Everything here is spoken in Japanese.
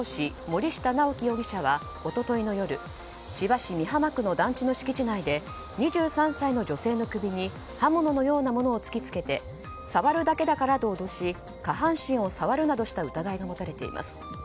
森下直樹容疑者は一昨日の夜千葉市美浜区の団地の敷地内で２３歳の女性の首に刃物のようなものを突き付けて触るだけだからと脅し下半身を触るなどした疑いが持たれています。